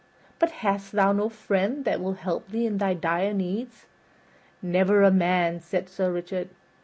"But hast thou no friend that will help thee in thy dire need?" "Never a man," said Sir Richard.